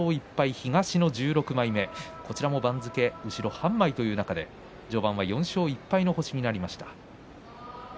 東の１６枚目、こちらも番付半枚という中で序盤４勝１敗の星となりました。